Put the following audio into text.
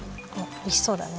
おいしそうだね。